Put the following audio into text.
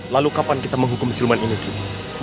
lalu kapan kita menghukum siluman ini kim